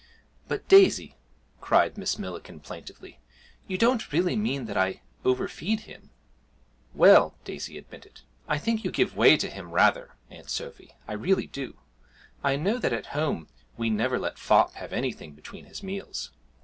'But, Daisy,' cried Miss Millikin plaintively, 'you don't really mean that I overfeed him?' 'Well,' Daisy admitted, 'I think you give way to him rather, Aunt Sophy, I really do. I know that at home we never let Fop have anything between his meals.